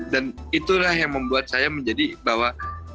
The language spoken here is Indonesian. dan itulah yang membuat saya menjadi bahwa